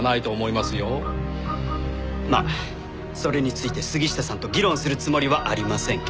まあそれについて杉下さんと議論するつもりはありませんけど。